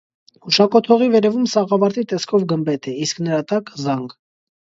Հուշակոթողի վերևում սաղավարտի տեսքով գմբեթ է, իսկ նրա տակ՝ զանգ։